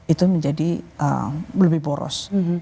itu menjadi lebih boros